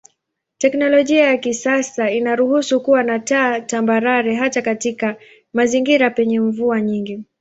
Teknolojia ya kisasa inaruhusu kuwa na taa tambarare hata katika mazingira penye mvua nyingi.